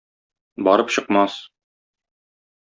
Барып чыкмас!